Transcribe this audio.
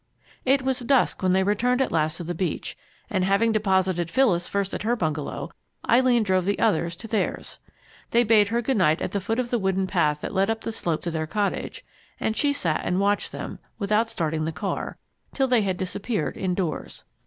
It was dusk when they returned at last to the beach, and, having deposited Phyllis first at her bungalow, Eileen drove the others to theirs. They bade her good night at the foot of the wooden path that led up the slope to their cottage, and she sat and watched them, without starting the car, till they had disappeared indoors.